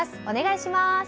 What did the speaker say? お願いします。